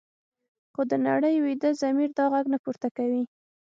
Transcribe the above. خو د نړۍ ویده ضمیر دا غږ نه پورته کوي.